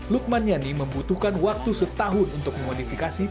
lukman yani membutuhkan waktu setahun untuk memodifikasi